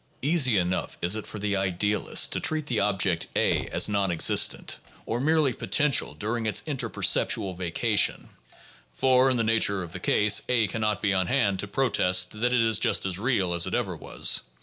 Easy enough is it for the idealist to treat the object A as non existent or merely potential during its interperceptual vacations; for in the nature of the case A can not be on hand to protest that it is just as "real" as it ever was.